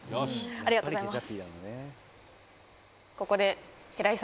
ありがとうございます